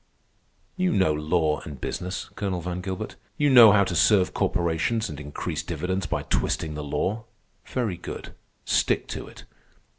"You know law and business, Colonel Van Gilbert. You know how to serve corporations and increase dividends by twisting the law. Very good. Stick to it.